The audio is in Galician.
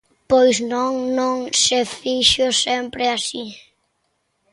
Pois non, non se fixo sempre así.